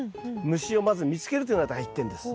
虫をまず見つけるというのが第一点です。